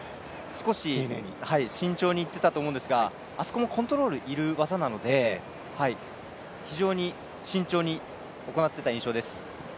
少し慎重に行っていたと思うんですが、あそこもコントロールのいる技なので非常に慎重に行っていた印象です。